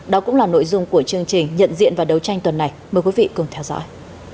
đó cũng là nội dung của chương trình nhận diện và đấu tranh tuần này mời quý vị cùng theo dõi